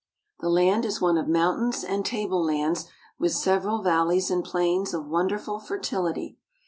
The land is one of mountains and table lands with several val leys and plains of won derful fertility.